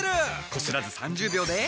こすらず３０秒で。